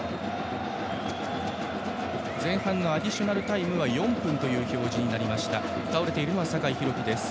前半のアディショナルタイムは４分という表示です。